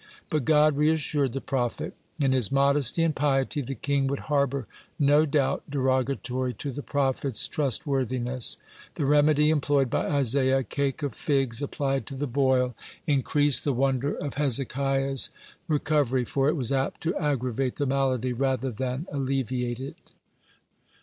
But God reassured the prophet. In his modesty and piety, the king would harbor no doubt derogatory to the prophet's trustworthiness. (78) The remedy employed by Isaiah, a cake of figs applied to the boil, increased the wonder of Hezekiah's recovery, for it was apt to aggravate the malady rather than alleviate it.